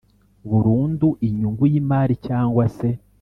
burundu inyungu y imari cyangwa se